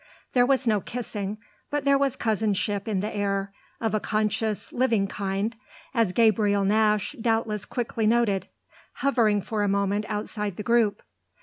There was no kissing, but there was cousinship in the air, of a conscious, living kind, as Gabriel Nash doubtless quickly noted, hovering for a moment outside the group.